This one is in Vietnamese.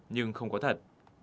nhưng không có thật